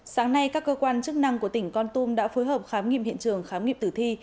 sáng nay các cơ quan chức năng của tỉnh con tum đã phối hợp khám nghiệm hiện trường khám nghiệm tử thi